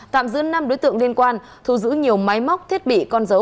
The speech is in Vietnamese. tạm giữ năm đối tượng liên quan thu giữ nhiều máy móc thiết bị con dấu